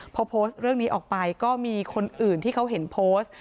พอโพสต์เรื่องนี้ออกไปก็มีคนอื่นที่เขาเห็นโพสต์